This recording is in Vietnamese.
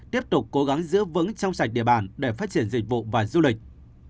tiếp tục cố gắng giữ vững trong sạch địa bàn để phát triển dịch vụ và du lịch